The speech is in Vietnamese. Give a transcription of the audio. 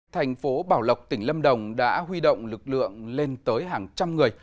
thành phố bảo lộc tỉnh lâm đồng đã huy động lực lượng lên tới hàng trăm người